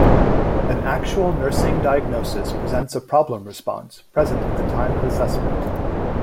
An actual nursing diagnosis presents a problem response present at time of assessment.